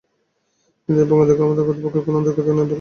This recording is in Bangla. কিন্তু এই ভোগান্তি কমাতে কর্তৃপক্ষের কোনো আন্তরিকতা আছে বলে মনে হয় না।